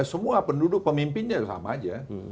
semua penduduk pemimpinnya sama aja